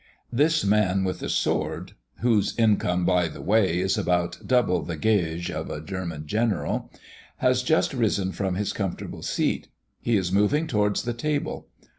This man with the sword whose income, by the bye, is about double the "gage" of a German general has just risen from his comfortable seat. He is moving towards the table.